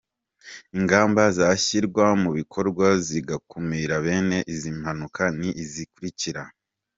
Ingamba zashyirwa mu bikorwa zigakumira bene izi mpanuka ni izi zikurikira:.